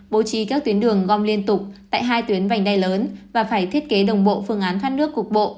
bố trí các tuyến đường gom liên tục tại hai tuyến vảnh đe lớn và phải thiết kế đồng bộ phương án phát nước cục bộ